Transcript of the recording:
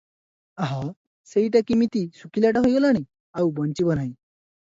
ଆହା! ସେଇଟା କିମିତି ଶୁଖିଲାଟା ହୋଇଗଲାଣି, ଆଉ ବଞ୍ଚିବ ନାହିଁ ।